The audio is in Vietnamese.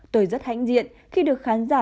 tôi rất hãnh diện khi được khán giả